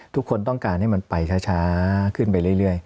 ทุกคนต้องการให้มันไปช้าขึ้นไปเรื่อย